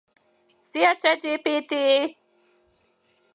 Festés során leginkább narancssárga festéket kevernek össze feketével.